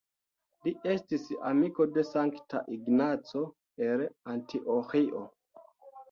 Li estis amiko de Sankta Ignaco el Antioĥio.